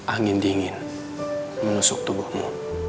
angin dingin menusuk tubuhmu